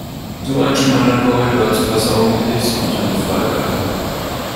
Nur ein schmaler Korridor zur Versorgung mit Hilfsgütern wird freigehalten.